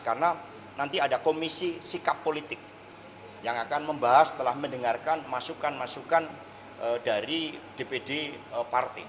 karena nanti ada komisi sikap politik yang akan membahas setelah mendengarkan masukan masukan dari dpd parti